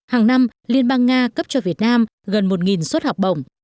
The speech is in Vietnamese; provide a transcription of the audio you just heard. hàng năm liên bang nga cấp cho việt nam gần một suất học bổng